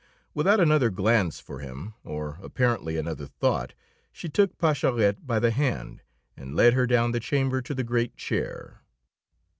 Without another glance for him, or apparently another thought, she took Pascherette by the hand and led her down the chamber to the great chair.